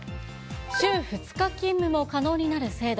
週２日勤務も可能になる制度。